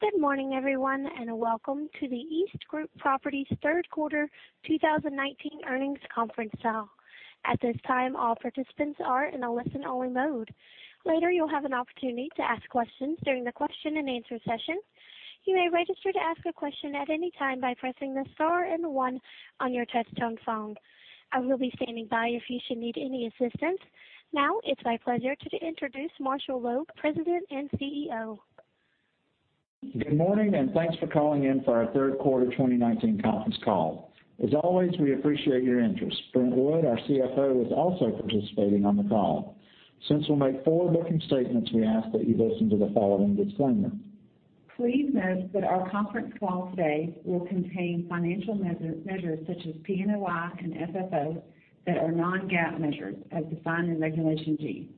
Good morning, everyone, and welcome to the EastGroup Properties third quarter 2019 earnings conference call. At this time, all participants are in a listen-only mode. Later, you'll have an opportunity to ask questions during the question-and-answer session. You may register to ask a question at any time by pressing the star and 1 on your touch tone phone. I will be standing by if you should need any assistance. Now, it's my pleasure to introduce Marshall Loeb, President and CEO. Good morning, and thanks for calling in for our third quarter 2019 conference call. As always, we appreciate your interest. Brent Wood, our CFO, is also participating on the call. Since we'll make forward-looking statements, we ask that you listen to the following disclaimer. Please note that our conference call today will contain financial measures such as PNOI and FFO that are non-GAAP measures as defined in Regulation G.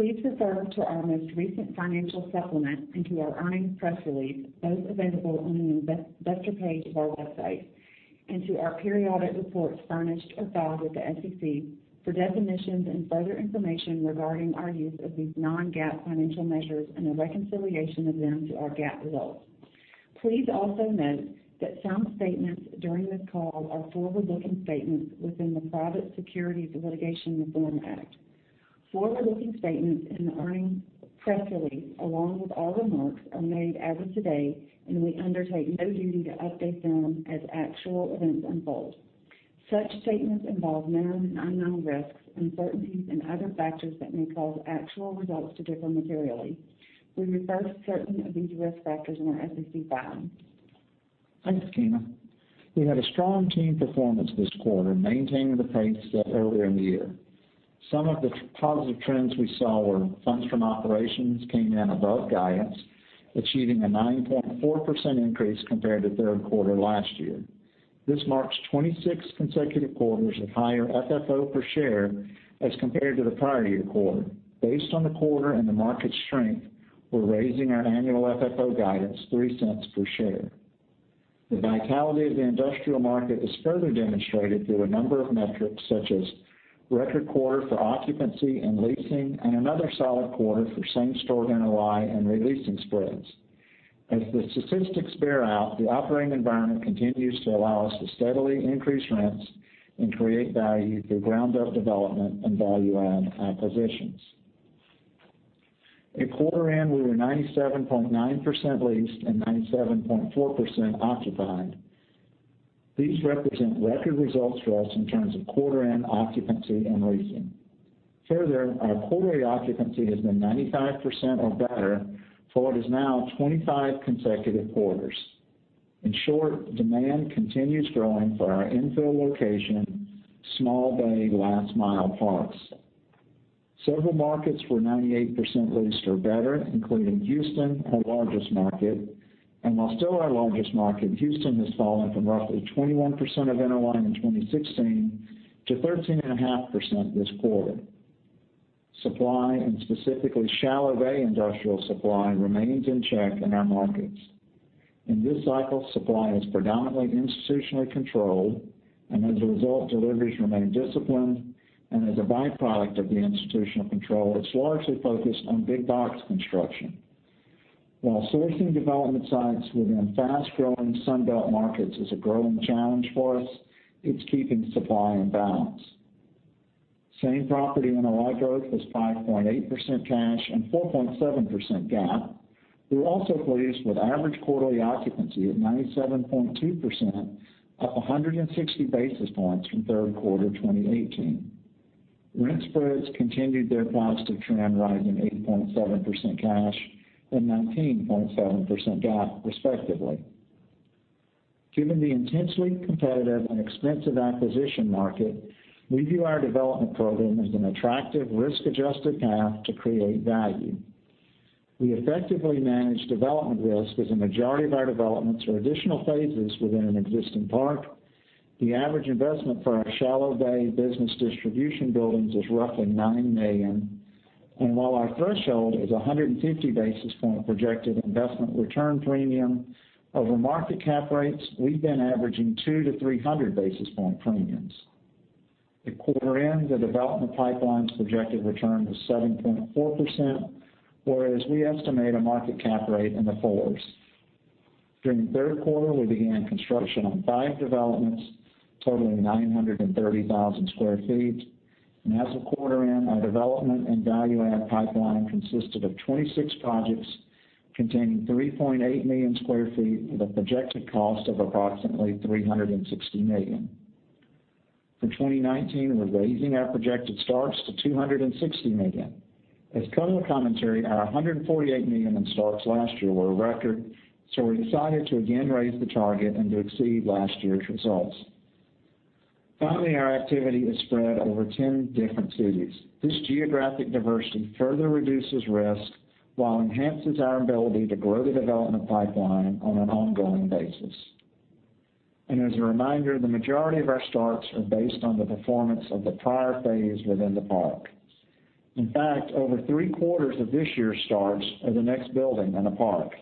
Please refer to our most recent financial supplement and to our earnings press release, both available on the Investor page of our website, and to our periodic reports furnished or filed with the SEC for definitions and further information regarding our use of these non-GAAP financial measures and a reconciliation of them to our GAAP results. Please also note that some statements during this call are forward-looking statements within the Private Securities Litigation Reform Act. Forward-looking statements in the earnings press release, along with all remarks, are made as of today, and we undertake no duty to update them as actual events unfold. Such statements involve known and unknown risks, uncertainties, and other factors that may cause actual results to differ materially. We refer to certain of these risk factors in our SEC filings. Thanks, Keena. We had a strong team performance this quarter, maintaining the pace set earlier in the year. Some of the positive trends we saw were funds from operations came in above guidance, achieving a 9.4% increase compared to third quarter last year. This marks 26 consecutive quarters of higher FFO per share as compared to the prior year quarter. Based on the quarter and the market strength, we're raising our annual FFO guidance $0.03 per share. The vitality of the industrial market is further demonstrated through a number of metrics, such as record quarter for occupancy and leasing, and another solid quarter for same-store NOI and re-leasing spreads. As the statistics bear out, the operating environment continues to allow us to steadily increase rents and create value through ground-up development and value-add acquisitions. At quarter end, we were 97.9% leased and 97.4% occupied. These represent record results for us in terms of quarter end occupancy and leasing. Further, our quarterly occupancy has been 95% or better for what is now 25 consecutive quarters. In short, demand continues growing for our infill location, shallow bay, last mile parks. Several markets were 98% leased or better, including Houston, our largest market. While still our largest market, Houston has fallen from roughly 21% of NOI in 2016 to 13.5% this quarter. Supply, and specifically shallow bay industrial supply, remains in check in our markets. In this cycle, supply is predominantly institutionally controlled, and as a result, deliveries remain disciplined, and as a byproduct of the institutional control, it's largely focused on big box construction. While sourcing development sites within fast-growing Sun Belt markets is a growing challenge for us, it's keeping supply in balance. Same property NOI growth was 5.8% cash and 4.7% GAAP. We're also pleased with average quarterly occupancy at 97.2%, up 160 basis points from third quarter 2018. Rent spreads continued their positive trend, rising 8.7% cash and 19.7% GAAP respectively. Given the intensely competitive and expensive acquisition market, we view our development program as an attractive risk-adjusted path to create value. We effectively manage development risk as a majority of our developments are additional phases within an existing park. The average investment for our shallow bay business distribution buildings is roughly $9 million. While our threshold is 150 basis point projected investment return premium over market cap rates, we've been averaging 2-300 basis point premiums. At quarter end, the development pipeline's projected return was 7.4%, whereas we estimate a market cap rate in the fours. During the third quarter, we began construction on five developments totaling 930,000 square feet. As of quarter end, our development and value add pipeline consisted of 26 projects containing 3.8 million sq ft with a projected cost of approximately $360 million. For 2019, we're raising our projected starts to $260 million. As color commentary, our $148 million in starts last year were a record, so we decided to again raise the target and to exceed last year's results. Our activity is spread over 10 different cities. This geographic diversity further reduces risk while enhances our ability to grow the development pipeline on an ongoing basis. As a reminder, the majority of our starts are based on the performance of the prior phase within the park. Over three-quarters of this year's starts are the next building in a park.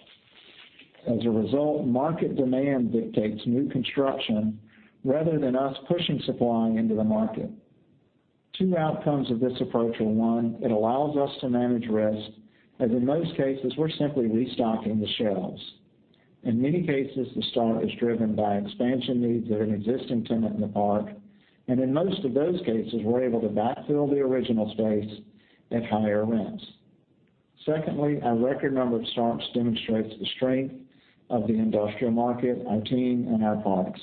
As a result, market demand dictates new construction rather than us pushing supply into the market. Two outcomes of this approach are, one, it allows us to manage risk, as in most cases, we're simply restocking the shelves. In many cases, the start is driven by expansion needs of an existing tenant in the park, and in most of those cases, we're able to backfill the original space at higher rents. Secondly, our record number of starts demonstrates the strength of the industrial market, our team, and our products.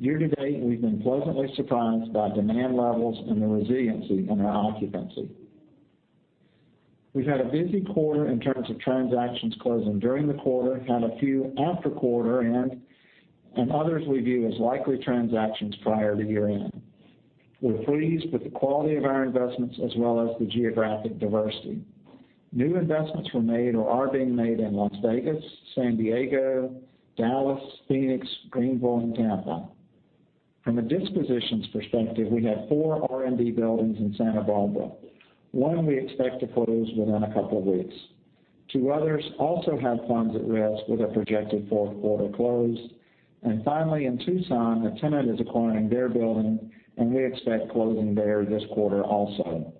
Year-to-date, we've been pleasantly surprised by demand levels and the resiliency in our occupancy. We've had a busy quarter in terms of transactions closing during the quarter, had a few after quarter, and others we view as likely transactions prior to year-end. We're pleased with the quality of our investments as well as the geographic diversity. New investments were made or are being made in Las Vegas, San Diego, Dallas, Phoenix, Greenville, and Tampa. From a dispositions perspective, we have four R&D buildings in Santa Barbara. One we expect to close within a couple of weeks. Two others also have funds at risk with a projected fourth quarter close. Finally in Tucson, a tenant is acquiring their building, and we expect closing there this quarter also.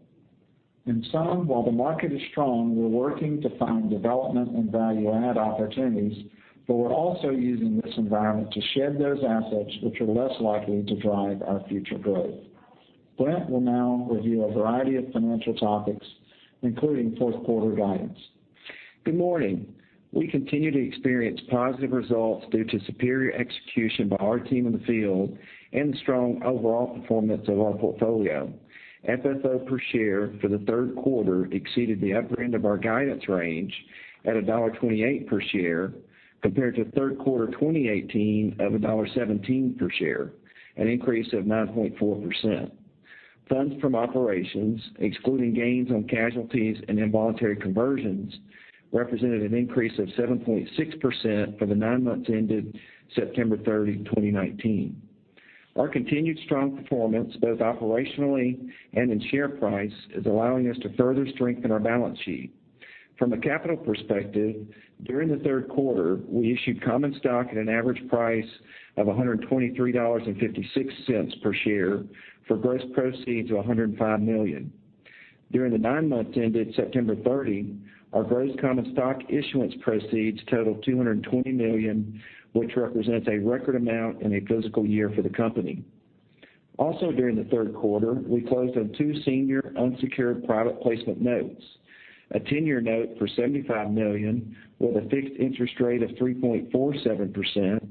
In sum, while the market is strong, we're working to find development and value-add opportunities, but we're also using this environment to shed those assets which are less likely to drive our future growth. Brent will now review a variety of financial topics, including fourth quarter guidance. Good morning. We continue to experience positive results due to superior execution by our team in the field and strong overall performance of our portfolio. FFO per share for the third quarter exceeded the upper end of our guidance range at $1.28 per share, compared to third quarter 2018 of $1.17 per share, an increase of 9.4%. Funds from operations, excluding gains on casualties and involuntary conversions, represented an increase of 7.6% for the nine months ended September 30, 2019. Our continued strong performance, both operationally and in share price, is allowing us to further strengthen our balance sheet. From a capital perspective, during the third quarter, we issued common stock at an average price of $123.56 per share for gross proceeds of $105 million. During the nine months ended September 30, our gross common stock issuance proceeds totaled $220 million, which represents a record amount in a fiscal year for the company. Also during the third quarter, we closed on two senior unsecured private placement notes, a 10-year note for $75 million with a fixed interest rate of 3.47%,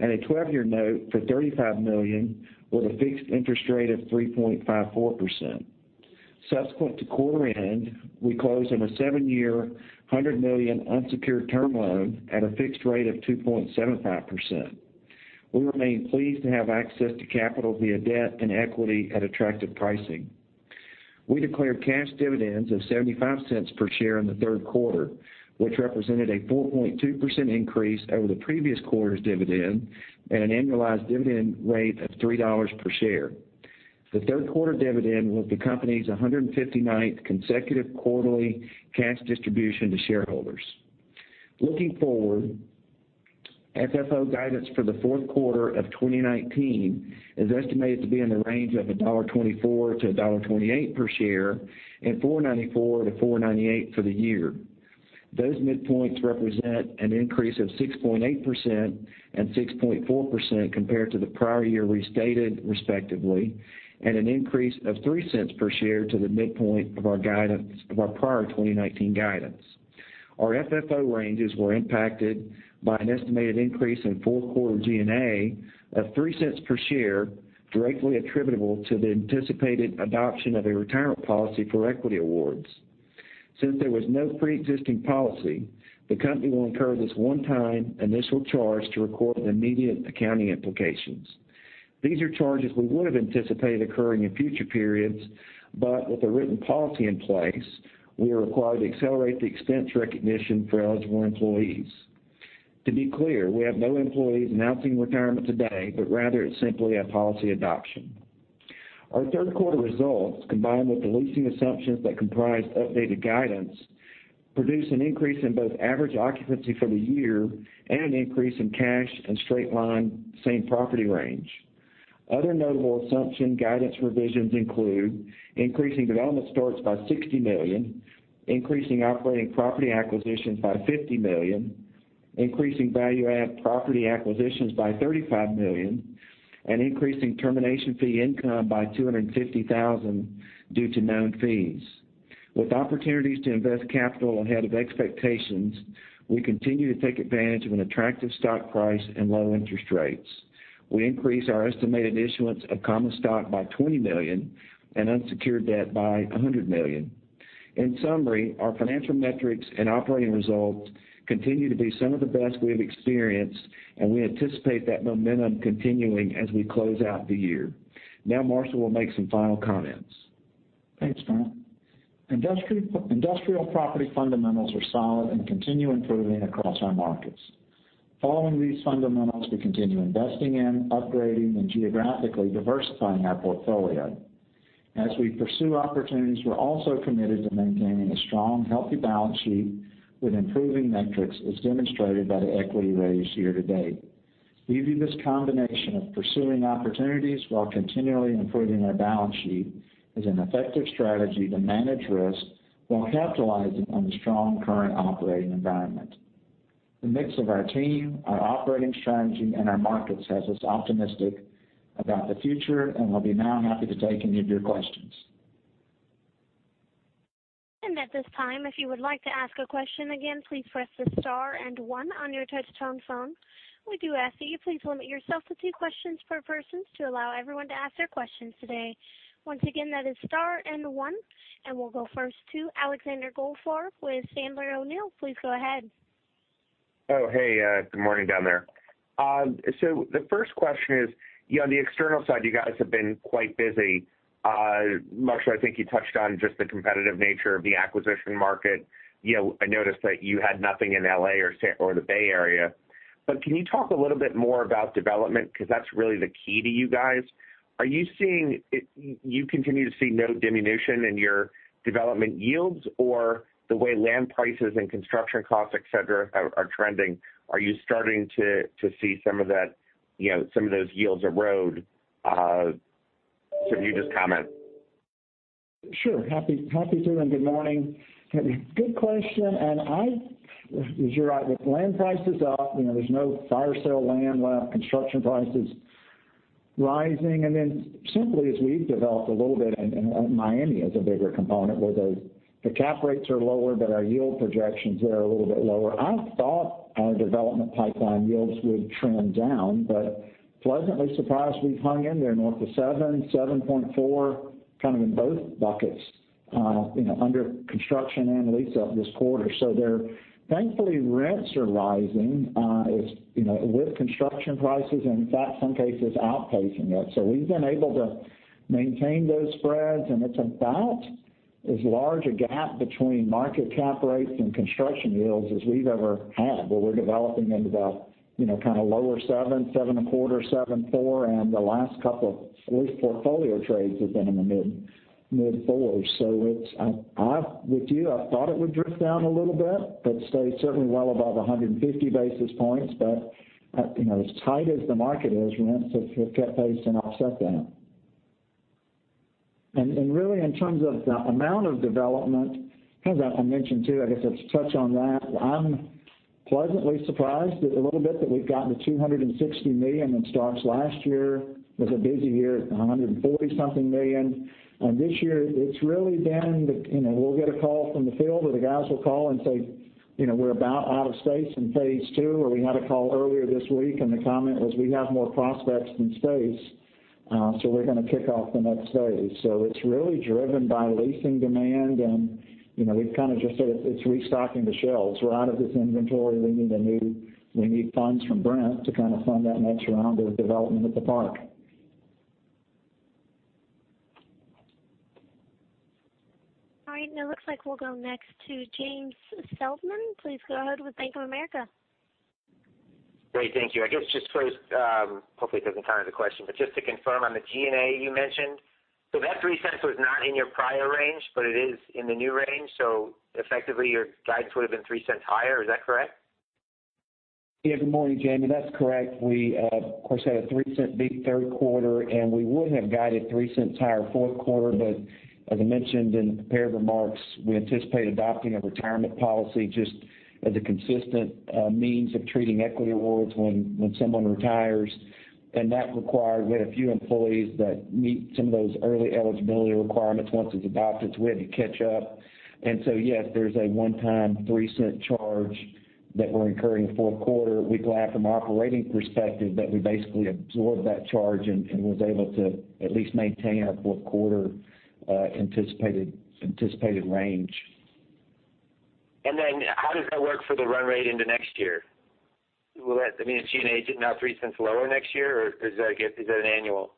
and a 12-year note for $35 million with a fixed interest rate of 3.54%. Subsequent to quarter end, we closed on a seven-year, $100 million unsecured term loan at a fixed rate of 2.75%. We remain pleased to have access to capital via debt and equity at attractive pricing. We declared cash dividends of $0.75 per share in the third quarter, which represented a 4.2% increase over the previous quarter's dividend and an annualized dividend rate of $3 per share. The third quarter dividend was the company's 159th consecutive quarterly cash distribution to shareholders. Looking forward, FFO guidance for the fourth quarter of 2019 is estimated to be in the range of $1.24-$1.28 per share and $4.94-$4.98 for the year. Those midpoints represent an increase of 6.8% and 6.4% compared to the prior year restated respectively, and an increase of $0.03 per share to the midpoint of our prior 2019 guidance. Our FFO ranges were impacted by an estimated increase in full quarter G&A of $0.03 per share, directly attributable to the anticipated adoption of a retirement policy for equity awards. Since there was no preexisting policy, the company will incur this one-time initial charge to record the immediate accounting implications. These are charges we would've anticipated occurring in future periods, but with a written policy in place, we are required to accelerate the expense recognition for eligible employees. To be clear, we have no employees announcing retirement today, but rather it's simply a policy adoption. Our third quarter results, combined with the leasing assumptions that comprise updated guidance, produce an increase in both average occupancy for the year and an increase in cash and straight line same property rent. Other notable assumption guidance revisions include increasing development starts by $60 million, increasing operating property acquisitions by $50 million, increasing value add property acquisitions by $35 million, and increasing termination fee income by $250,000 due to known fees. With opportunities to invest capital ahead of expectations, we continue to take advantage of an attractive stock price and low interest rates. We increased our estimated issuance of common stock by $20 million and unsecured debt by $100 million. In summary, our financial metrics and operating results continue to be some of the best we have experienced. We anticipate that momentum continuing as we close out the year. Now Marshall will make some final comments. Thanks, Brent. Industrial property fundamentals are solid and continue improving across our markets. Following these fundamentals, we continue investing in, upgrading, and geographically diversifying our portfolio. As we pursue opportunities, we're also committed to maintaining a strong, healthy balance sheet with improving metrics as demonstrated by the equity raise year to date. We view this combination of pursuing opportunities while continually improving our balance sheet as an effective strategy to manage risk while capitalizing on the strong current operating environment. The mix of our team, our operating strategy, and our markets has us optimistic about the future, and we'll be now happy to take any of your questions. At this time, if you would like to ask a question, again, please press the star and one on your touch-tone phone. We do ask that you please limit yourself to two questions per person to allow everyone to ask their questions today. Once again, that is star and one. We'll go first to Alexander Goldfarb with Sandler O'Neill. Please go ahead. Hey. Good morning down there. The first question is, on the external side, you guys have been quite busy. Marshall, I think you touched on just the competitive nature of the acquisition market. I noticed that you had nothing in L.A. or the Bay Area. Can you talk a little bit more about development? That's really the key to you guys. Are you continue to see no diminution in your development yields or the way land prices and construction costs, et cetera, are trending? Are you starting to see some of those yields erode? Can you just comment? Sure. Happy to. Good morning. Good question. You're right. With land prices up, there's no fire sale land left, construction prices rising. Simply as we've developed a little bit in Miami as a bigger component, where the cap rates are lower, but our yield projections there are a little bit lower. I thought our development pipeline yields would trend down, but pleasantly surprised we've hung in there north of seven, 7.4, kind of in both buckets, under construction and lease up this quarter. Thankfully, rents are rising, with construction prices, and in fact, some cases outpacing it. We've been able to maintain those spreads, and it's about as large a gap between market cap rates and construction yields as we've ever had, where we're developing into that kind of lower 7.25, 7.4, and the last couple of lease portfolio trades has been in the mid-4s. I'm with you. I thought it would drift down a little bit, stay certainly well above 150 basis points. As tight as the market is, rents have kept pace and offset that. Really in terms of the amount of development, I mentioned too, I guess I'll just touch on that. I'm pleasantly surprised a little bit that we've gotten to $260 million in starts last year. It was a busy year at $140 something million. This year it's really been, we'll get a call from the field or the guys will call and say, "We're about out of space in phase 2." We had a call earlier this week and the comment was, "We have more prospects than space, so we're going to kick off the next phase." It's really driven by leasing demand, and we've kind of just said, "It's restocking the shelves. We're out of this inventory. We need funds from Brent to kind of fund that next round of development at the park. All right. Now looks like we'll go next to James Feldman. Please go ahead with Bank of America. Great. Thank you. I guess just first, hopefully it doesn't count as a question, but just to confirm on the G&A you mentioned. That $0.03 was not in your prior range, but it is in the new range, so effectively your guidance would've been $0.03 higher. Is that correct? Yeah. Good morning, James. That's correct. We, of course, had a $0.03 beat third quarter, and we would have guided $0.03 higher fourth quarter, but as I mentioned in the prepared remarks, we anticipate adopting a retirement policy just as a consistent means of treating equity awards when someone retires. We had a few employees that meet some of those early eligibility requirements. Once it's adopted, we had to catch up. Yes, there's a one-time $0.03 charge that we're incurring fourth quarter. We'd be glad from an operating perspective that we basically absorbed that charge and was able to at least maintain our fourth quarter anticipated range. How does that work for the run rate into next year? Will that, I mean, is G&A now $0.03 lower next year, or is that an annual?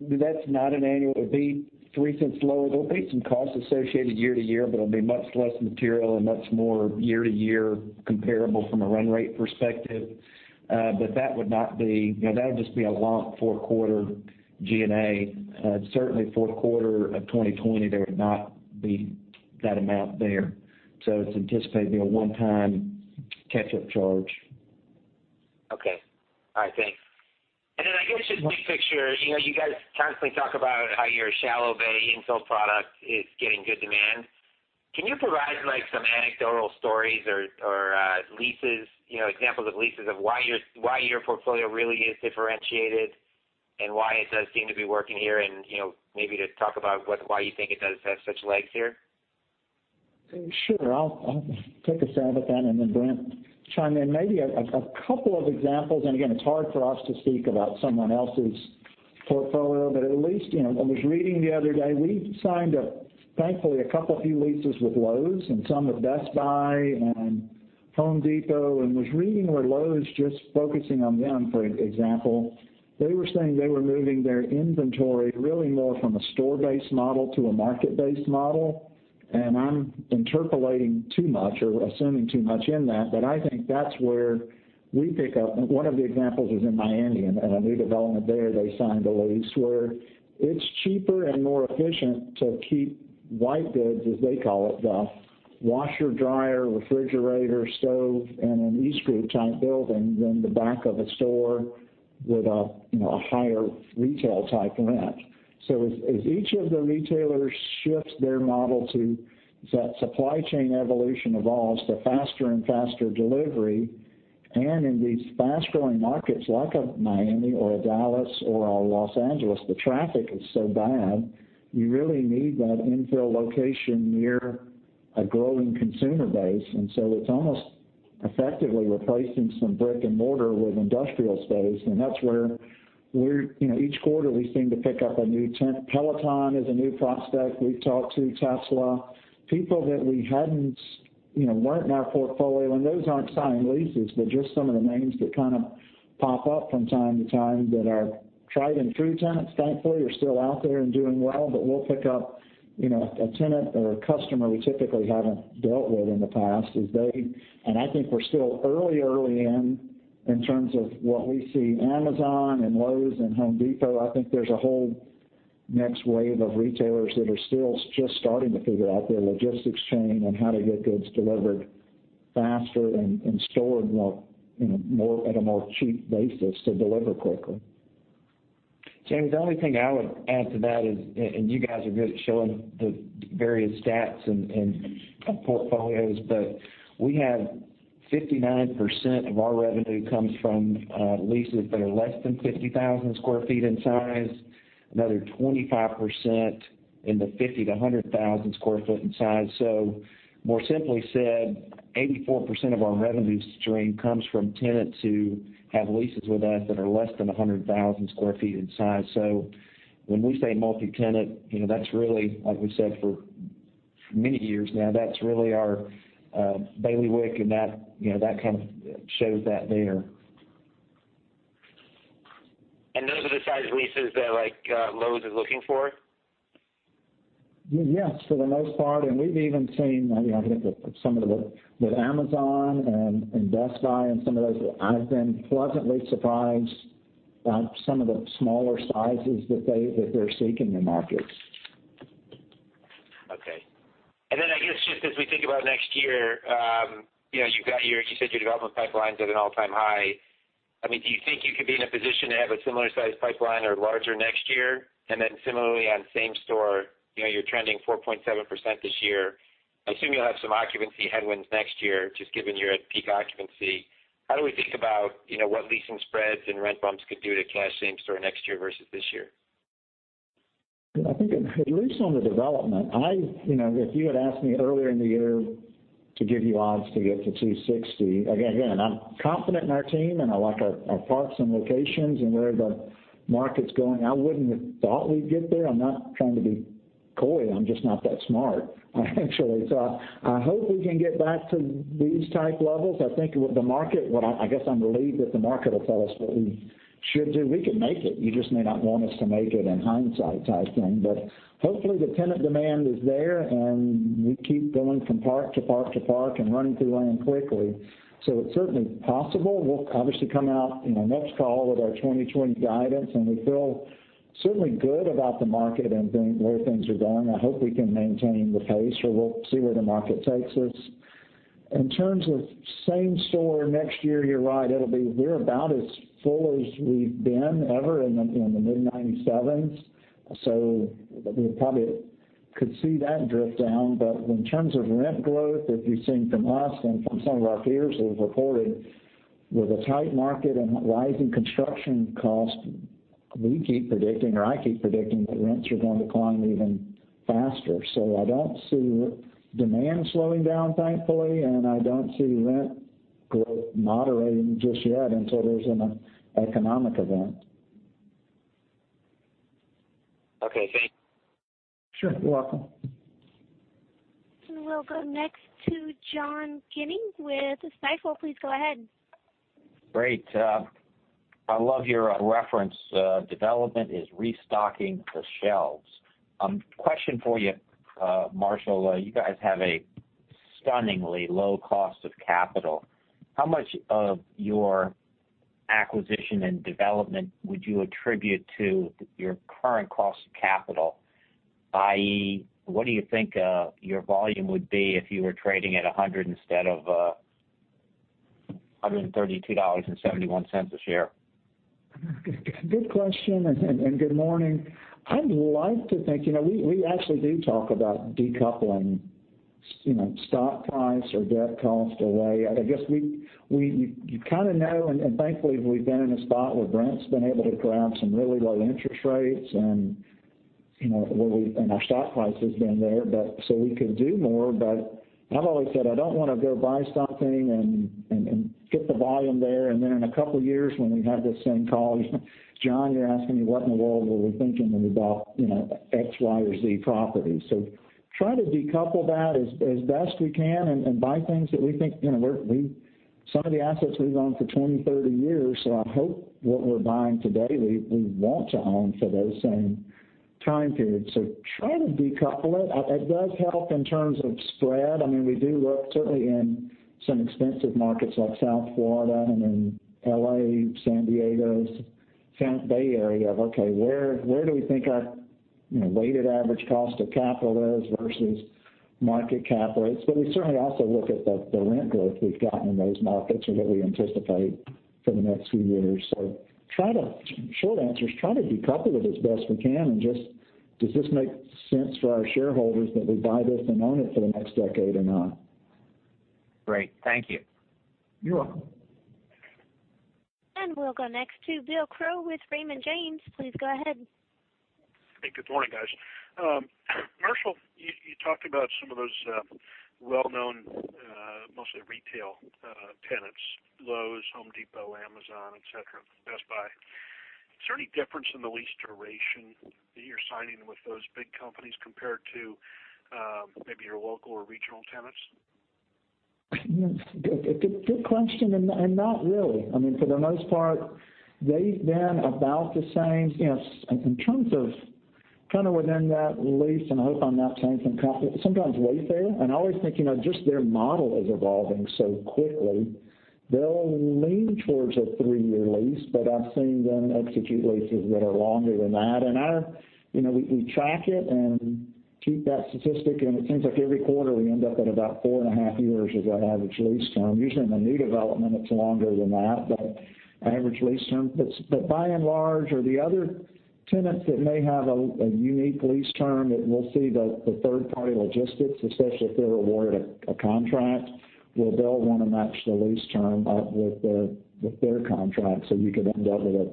That's not an annual. It'd be $0.03 lower. There'll be some costs associated year-over-year, but it'll be much less material and much more year-over-year comparable from a run rate perspective. That would just be a lump fourth quarter G&A. Certainly fourth quarter of 2020, there would not be that amount there. It's anticipated to be a one-time catch-up charge. Okay. All right, thanks. I guess just big picture, you guys constantly talk about how your shallow bay infill product is getting good demand. Can you provide some anecdotal stories or leases, examples of leases of why your portfolio really is differentiated and why it does seem to be working here, and maybe just talk about why you think it does have such legs here? Sure. I'll take a stab at that and then Brent chime in. Maybe a couple of examples, and again, it's hard for us to speak about someone else's portfolio, but at least, I was reading the other day, we signed a, thankfully, a couple few leases with Lowe's and some with Best Buy and Home Depot, and was reading where Lowe's, just focusing on them, for example, they were saying they were moving their inventory really more from a store-based model to a market-based model. I'm interpolating too much or assuming too much in that, but I think that's where we pick up. One of the examples is in Miami at a new development there. They signed a lease where it's cheaper and more efficient to keep white goods, as they call it, the washer, dryer, refrigerator, stove, in an EastGroup type building than the back of a store. With a higher retail-type rent. As each of the retailers shifts their model, that supply chain evolution evolves to faster and faster delivery. In these fast-growing markets like a Miami or a Dallas or a Los Angeles, the traffic is so bad you really need that infill location near a growing consumer base. It's almost effectively replacing some brick and mortar with industrial space. That's where each quarter we seem to pick up a new tenant. Peloton is a new prospect. We've talked to Tesla. People that weren't in our portfolio, and those aren't signing leases. Just some of the names that pop up from time to time that are tried and true tenants, thankfully, are still out there and doing well. We'll pick up a tenant or a customer we typically haven't dealt with in the past. I think we're still early in terms of what we see Amazon and Lowe's and Home Depot. I think there's a whole next wave of retailers that are still just starting to figure out their logistics chain and how to get goods delivered faster and stored at a more cheap basis to deliver quickly. James, the only thing I would add to that is, and you guys are good at showing the various stats and portfolios, but we have 59% of our revenue comes from leases that are less than 50,000 sq ft in size, another 25% in the 50,000 to 100,000 sq ft in size. more simply said, 84% of our revenue stream comes from tenants who have leases with us that are less than 100,000 sq ft in size. when we say multi-tenant, that's really, like we've said for many years now, that's really our bailiwick, and that kind of shows that there. Those are the size leases that Lowe's is looking for? Yes, for the most part. We've even seen, I think, with some of the Amazon and Best Buy and some of those, I've been pleasantly surprised about some of the smaller sizes that they're seeking in markets. I guess, just as we think about next year, you said your development pipeline's at an all-time high. Do you think you could be in a position to have a similar-sized pipeline or larger next year? Similarly on same store, you're trending 4.7% this year. I assume you'll have some occupancy headwinds next year, just given you're at peak occupancy. How do we think about what leasing spreads and rent bumps could do to cash same store next year versus this year? I think at least on the development, if you had asked me earlier in the year to give you odds to get to 260, again, I'm confident in our team and I like our parks and locations and where the market's going. I wouldn't have thought we'd get there. I'm not trying to be coy. I'm just not that smart, actually. I hope we can get back to these type levels. I think what the market, I guess I'm relieved that the market will tell us what we should do. We could make it. You just may not want us to make it in hindsight type thing. Hopefully the tenant demand is there, and we keep going from park to park and running through land quickly. It's certainly possible. We'll obviously come out in our next call with our 2020 guidance, and we feel certainly good about the market and where things are going. I hope we can maintain the pace or we'll see where the market takes us. In terms of same store next year, you're right. We're about as full as we've been ever in the mid '97s. We probably could see that drift down. In terms of rent growth that you've seen from us and from some of our peers who have reported with a tight market and rising construction cost, we keep predicting or I keep predicting that rents are going to climb even faster. I don't see demand slowing down, thankfully, and I don't see rent growth moderating just yet until there's an economic event. Okay, thanks. Sure. You're welcome. We'll go next to John Guinee with Stifel. Please go ahead. Great. I love your reference, development is restocking the shelves. Question for you, Marshall. You guys have a stunningly low cost of capital. How much of your acquisition and development would you attribute to your current cost of capital, i.e., what do you think your volume would be if you were trading at 100 instead of $132.71 a share? Good question. Good morning. I'd like to think, we actually do talk about decoupling stock price or debt cost away. I guess we kind of know. Thankfully, we've been in a spot where Brent's been able to grab some really low interest rates. Our stock price has been there, we could do more. I've always said I don't want to go buy something and get the volume there. Then in a couple of years when we have this same call, John, you're asking me what in the world were we thinking when we bought X, Y, or Z property. Try to decouple that as best we can and buy things. Some of the assets we've owned for 20, 30 years. I hope what we're buying today, we want to own for those same time periods. Try to decouple it. It does help in terms of spread. We do work certainly in some expensive markets like South Florida and in L.A., San Diego, Bay Area. Where do we think our weighted average cost of capital is versus market cap rates. We certainly also look at the rent growth we've gotten in those markets or what we anticipate for the next few years. Short answer is, try to decouple it as best we can and does this make sense for our shareholders that we buy this and own it for the next decade or not? Great. Thank you. You're welcome. We'll go next to William Crow with Raymond James. Please go ahead. Hey, good morning, guys. Marshall, you talked about some of those well-known, mostly retail tenants, Lowe's, Home Depot, Amazon, et cetera, Best Buy. Is there any difference in the lease duration that you're signing with those big companies compared to maybe your local or regional tenants? Good question, and not really. For the most part, they've been about the same. In terms of within that lease, and I hope I'm not saying something confidential, sometimes lease there. I always think, just their model is evolving so quickly, they'll lean towards a three-year lease, but I've seen them execute leases that are longer than that. We track it and keep that statistic, and it seems like every quarter, we end up at about four and a half years as our average lease term. Usually in the new development, it's longer than that, but average lease term. By and large, or the other tenants that may have a unique lease term that we'll see the third party logistics, especially if they're awarded a contract, where they'll want to match the lease term up with their contract, so you could end up with a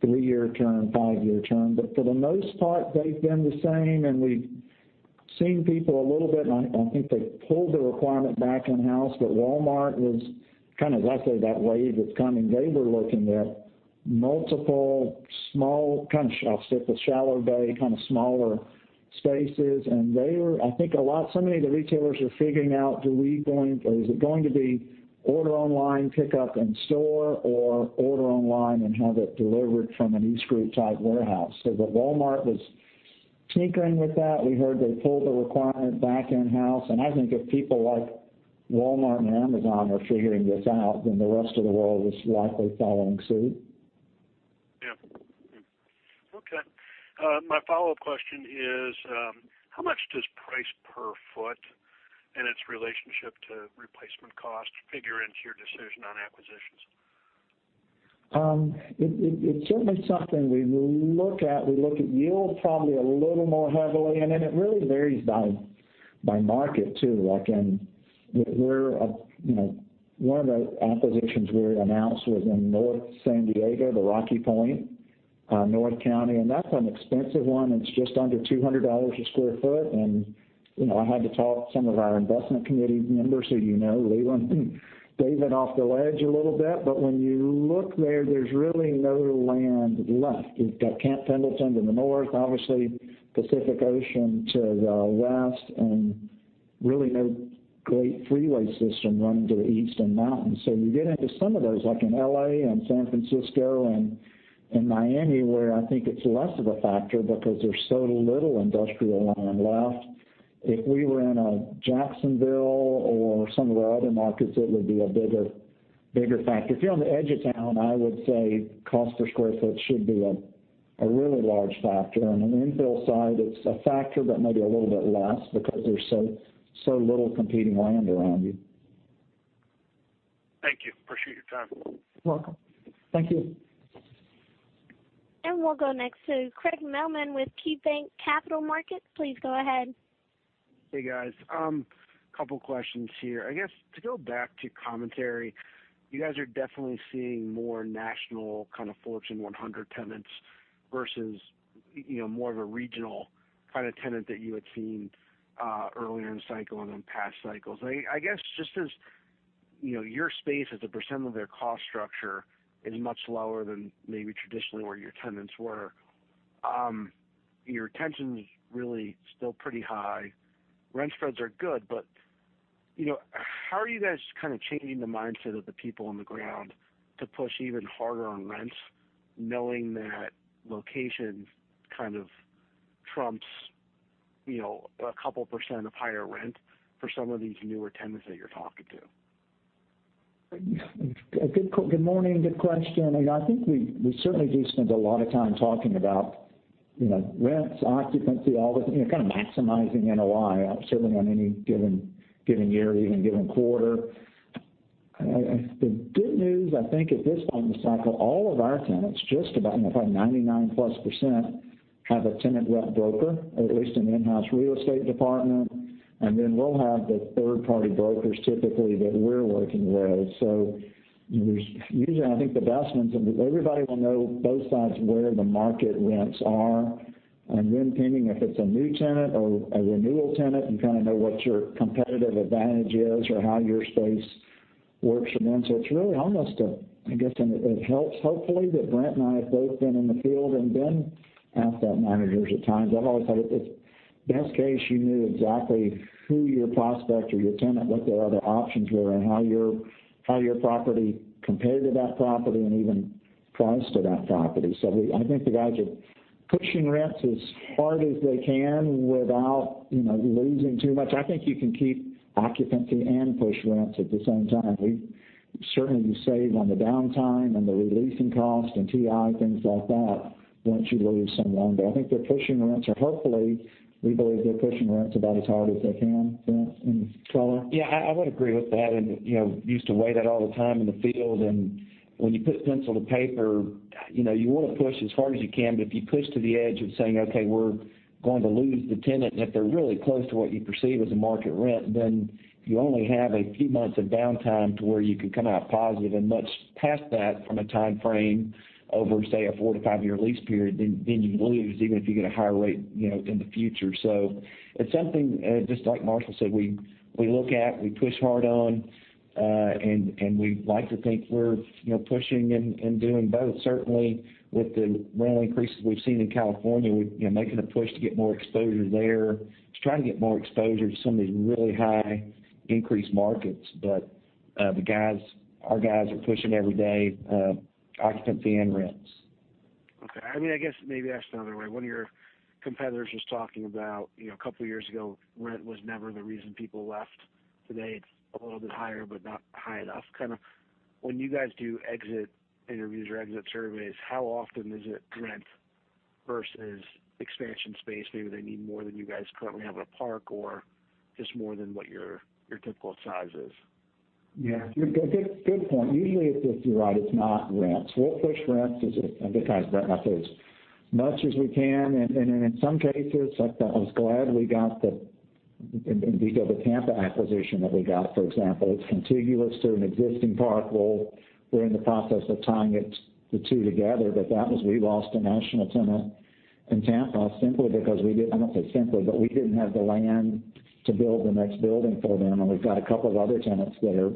three-year term, five-year term. For the most part, they've been the same and we've seen people a little bit, and I think they pulled the requirement back in-house, but Walmart was kind of, I say, that wave that's coming. They were looking at multiple small kind of shelves, fit the shallow bay, kind of smaller spaces. They were, I think a lot, so many of the retailers are figuring out, is it going to be order online, pick up in store, or order online and have it delivered from a streetside warehouse? Walmart was tinkering with that. We heard they pulled the requirement back in-house, and I think if people like Walmart and Amazon are figuring this out, then the rest of the world is likely following suit. Yeah. Okay. My follow-up question is, how much does price per foot and its relationship to replacement cost figure into your decision on acquisitions? It's certainly something we look at. We look at yield probably a little more heavily, and then it really varies by market too. One of the acquisitions we announced was in North San Diego, the Rocky Point, North County, and that's an expensive one. It's just under $200 a square foot. I had to talk to some of our investment committee members who you know, Leland and David, off the ledge a little bit. When you look there's really no land left. You've got Camp Pendleton to the north, obviously Pacific Ocean to the west, and really no great freeway system running to the east and mountains. You get into some of those, like in L.A. and San Francisco, and Miami, where I think it's less of a factor because there's so little industrial land left. If we were in a Jacksonville or some of our other markets, it would be a bigger factor. If you're on the edge of town, I would say cost per square foot should be a really large factor. On the infill side, it's a factor, but maybe a little bit less because there's so little competing land around you. Thank you. Appreciate your time. You're welcome. Thank you. We'll go next to Craig Mailman with KeyBanc Capital Markets. Please go ahead. Hey, guys. Couple questions here. I guess to go back to commentary, you guys are definitely seeing more national kind of Fortune 100 tenants versus more of a regional kind of tenant that you had seen earlier in cycle and in past cycles. I guess, just as your space as a % of their cost structure is much lower than maybe traditionally where your tenants were. Your retention's really still pretty high. Rent spreads are good. How are you guys kind of changing the mindset of the people on the ground to push even harder on rents, knowing that location kind of trumps a couple % of higher rent for some of these newer tenants that you're talking to? Good morning. Good question. I think we certainly do spend a lot of time talking about rents, occupancy, all the, kind of maximizing NOI, certainly on any given year or even given quarter. The good news, I think at this point in the cycle, all of our tenants, just about 99%+, have a tenant rep broker, at least an in-house real estate department. Then we'll have the third-party brokers typically that we're working with. There's usually, I think the best ones, and everybody will know both sides of where the market rents are. Then pending if it's a new tenant or a renewal tenant, you kind of know what your competitive advantage is or how your space works for them. It's really almost a, I guess, and it helps, hopefully, that Brent and I have both been in the field and been asset managers at times. I've always thought if best case, you knew exactly who your prospect or your tenant, what their other options were and how your property compared to that property and even priced to that property. I think the guys Pushing rents as hard as they can without losing too much. I think you can keep occupancy and push rents at the same time. We've certainly saved on the downtime and the releasing cost and TI, things like that, once you lose someone. I think they're pushing rents, or hopefully, we believe they're pushing rents about as hard as they can. Brent and Tyler? Yeah, I would agree with that. Used to weigh that all the time in the field. When you put pencil to paper, you want to push as hard as you can, but if you push to the edge of saying, "Okay, we're going to lose the tenant," and if they're really close to what you perceive as a market rent, then you only have a few months of downtime to where you can come out positive. Much past that from a timeframe over, say, a four-to-five-year lease period, then you lose even if you get a higher rate in the future. It's something, just like Marshall said, we look at, we push hard on, and we like to think we're pushing and doing both. Certainly, with the rent increases we've seen in California, we're making a push to get more exposure there, just trying to get more exposure to some of these really high increased markets. Our guys are pushing every day, occupancy and rents. I guess maybe asked another way. One of your competitors was talking about, a couple of years ago, rent was never the reason people left. Today, it's a little bit higher, but not high enough. When you guys do exit interviews or exit surveys, how often is it rent versus expansion space? Maybe they need more than you guys currently have at a park, or just more than what your typical size is. Yeah. Good point. Usually, you're right, it's not rents. We'll push rents because rent up as much as we can. In some cases, I was glad we got and we built a Tampa acquisition that we got, for example. It's contiguous to an existing park. Well, we're in the process of tying the two together, but that was, we lost a national tenant in Tampa simply because I won't say simply, but we didn't have the land to build the next building for them. We've got a couple of other tenants that are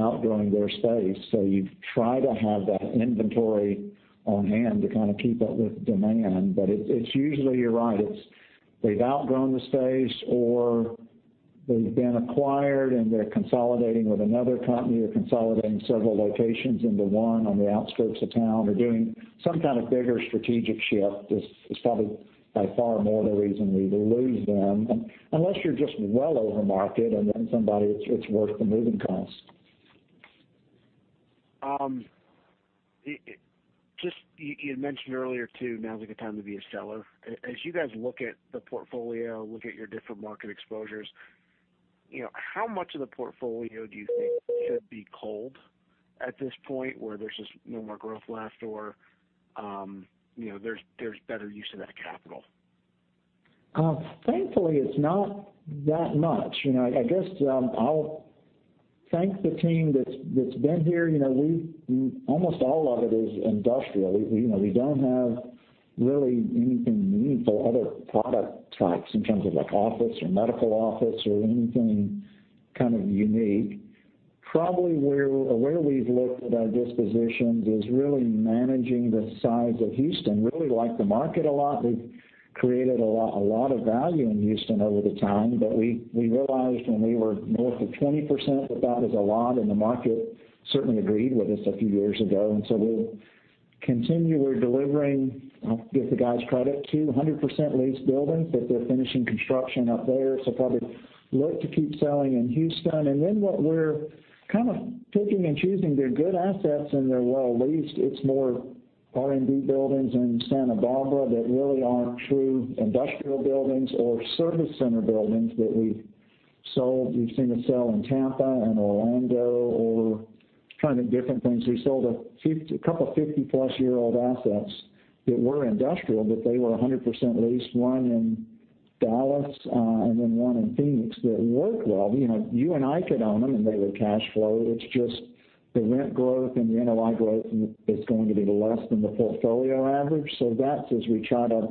outgrowing their space. You try to have that inventory on hand to kind of keep up with demand. It's usually, you're right. It's they've outgrown the space, or they've been acquired and they're consolidating with another company, or consolidating several locations into one on the outskirts of town. Doing some kind of bigger strategic shift is probably by far more the reason we lose them. Unless you're just well over market, and then somebody, it's worth the moving cost. You had mentioned earlier, too, now's a good time to be a seller. As you guys look at the portfolio, look at your different market exposures, how much of the portfolio do you think should be culled at this point, where there's just no more growth left or there's better use of that capital? Thankfully, it's not that much. I guess I'll thank the team that's been here. Almost all of it is industrial. We don't have really anything meaningful, other product types in terms of office or medical office or anything kind of unique. Probably where we've looked at our dispositions is really managing the size of Houston. Really like the market a lot. We've created a lot of value in Houston over the time. We realized when we were north of 20%, that that is a lot, and the market certainly agreed with us a few years ago. We'll continue. We're delivering, I'll give the guys credit too, 100% leased buildings that they're finishing construction up there. Probably look to keep selling in Houston. What we're kind of picking and choosing. They're good assets, and they're well leased. It's more R&D buildings in Santa Barbara that really aren't true industrial buildings or service center buildings that we've sold. We've seen it sell in Tampa and Orlando or kind of different things. We sold a couple of 50-plus-year-old assets that were industrial, but they were 100% leased, one in Dallas and then one in Phoenix, that worked well. You and I could own them, and they would cash flow. It's just the rent growth and the NOI growth is going to be less than the portfolio average. That's as we try to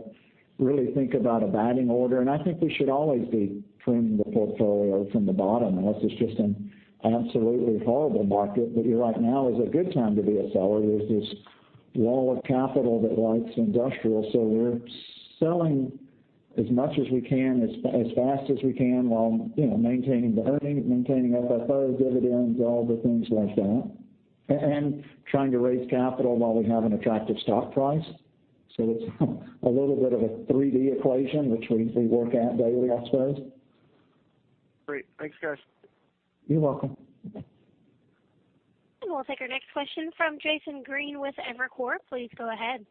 really think about a batting order, and I think we should always be trimming the portfolio from the bottom unless it's just an absolutely horrible market. You're right, now is a good time to be a seller. There's this wall of capital that likes industrial, so we're selling as much as we can, as fast as we can while maintaining the earnings, maintaining FFO dividends, all the things like that, and trying to raise capital while we have an attractive stock price. It's a little bit of a 3D equation, which we work at daily, I suppose. Great. Thanks, guys. You're welcome. We'll take our next question from Jason Green with Evercore. Please go ahead.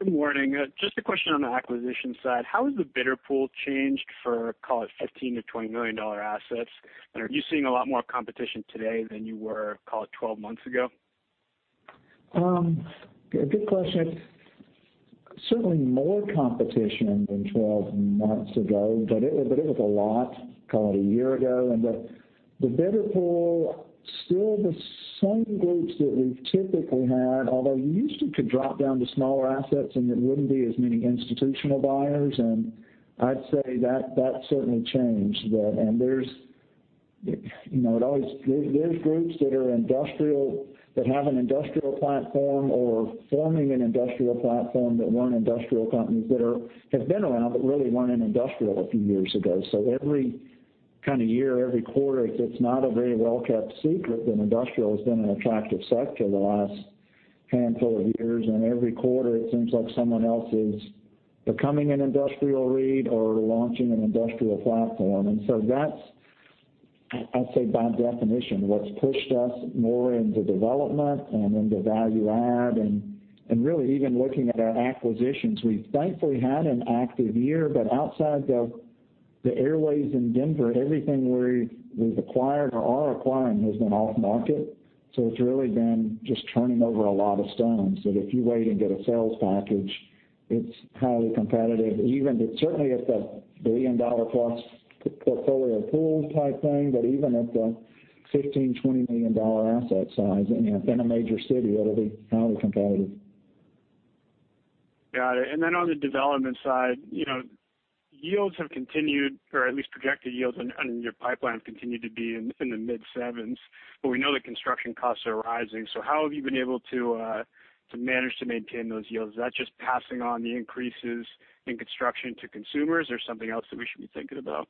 Good morning. Just a question on the acquisition side. How has the bidder pool changed for, call it, $15 million-$20 million assets? Are you seeing a lot more competition today than you were, call it, 12 months ago? Good question. Certainly more competition than 12 months ago, but it was a lot, call it, a year ago. The bidder pool, still the same groups that we've typically had. Although you used to could drop down to smaller assets, there wouldn't be as many institutional buyers, I'd say that certainly changed. There's groups that are industrial, that have an industrial platform or forming an industrial platform that weren't industrial companies that have been around, but really weren't in industrial a few years ago. Every kind of year every quarter. It's not a very well-kept secret that industrial has been an attractive sector the last handful of years, every quarter it seems like someone else is becoming an industrial REIT or launching an industrial platform. That's, I'd say by definition, what's pushed us more into development and into value add and really even looking at our acquisitions. We've thankfully had an active year, but outside of the Airways in Denver, everything we've acquired or are acquiring has been off-market. It's really been just turning over a lot of stones, that if you wait and get a sales package, it's highly competitive. Certainly if the billion-dollar-plus portfolio pools type thing, but even at the $15, $20 million asset size, in a major city, it'll be highly competitive. Got it. On the development side, yields have continued, or at least projected yields on your pipeline continue to be in the mid 7s. We know that construction costs are rising. How have you been able to manage to maintain those yields? Is that just passing on the increases in construction to consumers or something else that we should be thinking about?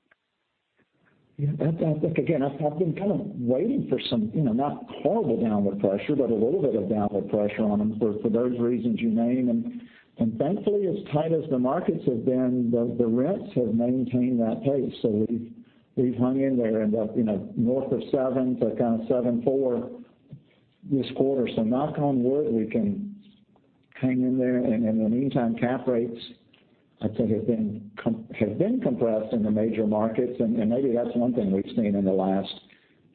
Yeah, I think again, I've been kind of waiting for some, not horrible downward pressure, but a little bit of downward pressure on them for those reasons you name. Thankfully, as tight as the markets have been, the rents have maintained that pace. We've hung in there and north of seven to kind of 7.4 this quarter. Knock on wood, we can hang in there. In the meantime, cap rates, I think have been compressed in the major markets. Maybe that's one thing we've seen in the last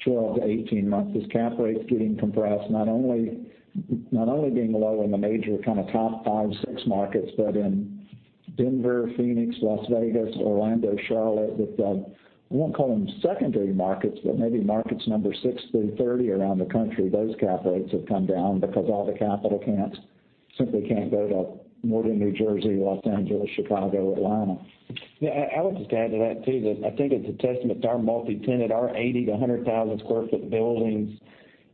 12 to 18 months, is cap rates getting compressed, not only being low in the major kind of top five, six markets, but in Denver, Phoenix, Las Vegas, Orlando, Charlotte, with the, I won't call them secondary markets, but maybe markets number 6 through 30 around the country. Those cap rates have come down because all the capital camps simply can't go to northern New Jersey, Los Angeles, Chicago, Atlanta. Yeah, I would just add to that, too, that I think it's a testament to our multi-tenant, our 80,000 to 100,000 sq ft buildings.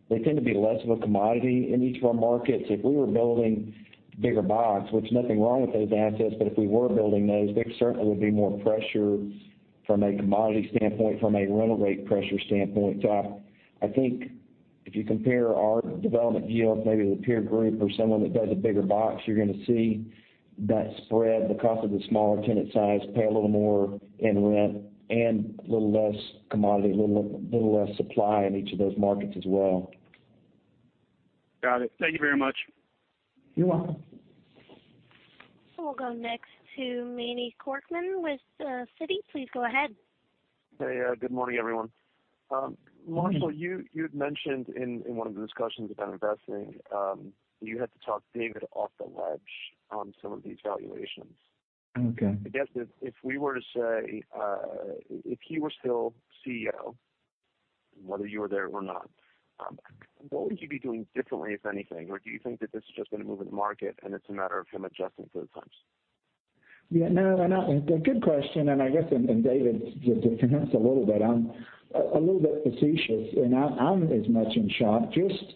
They tend to be less of a commodity in each of our markets. If we were building bigger box, which nothing wrong with those assets, if we were building those, there certainly would be more pressure from a commodity standpoint, from a rental rate pressure standpoint. I think if you compare our development yields, maybe with a peer group or someone that does a bigger box, you're going to see that spread, the cost of the smaller tenant size, pay a little more in rent and a little less commodity, a little less supply in each of those markets as well. Got it. Thank you very much. You're welcome. We'll go next to Manny Korchman with Citi. Please go ahead. Hey, good morning, everyone. Marshall, you'd mentioned in one of the discussions about investing, you had to talk David off the ledge on some of the evaluations. Okay. I guess if we were to say, if he were still CEO, whether you were there or not, what would you be doing differently, if anything? Do you think that this is just a move in the market, and it's a matter of him adjusting to the times? Yeah, no, good question. I guess David would differ a little bit. I'm a little bit facetious. I'm as much in shock. Just